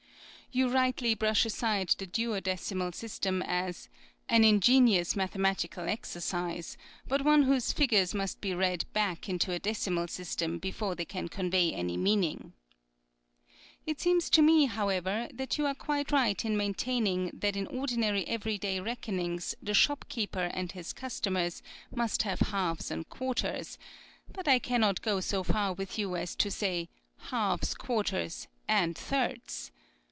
"You rightly brush aside the duodecimal system as ' an ingenious mathematical ex ercise, but one whose figures must be read back into a decimal system before they can convey any meaning. ' It seems to me, how ever, that you are quite right in maintain ing that in ordinary every day reckonings the shopkeeper and his customers must have halves and quarters ; but I cannot go so far with you as to say ' halves, quarters and thirds.'